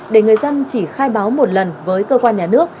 để người dân chỉ khai báo một lần với cơ quan nhà nước